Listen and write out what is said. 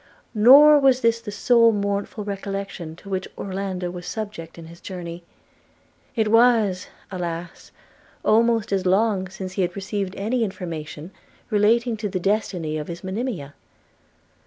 Nor was this the sole mournful recollection to which Orlando was subject in his journey – It was, alas! almost as long since he had received any information relating to the destiny of his Monimia.